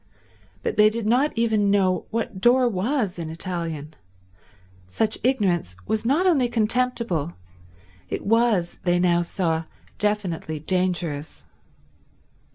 But they did not even know what door was in Italian. Such ignorance was not only contemptible, it was, they now saw, definitely dangerous.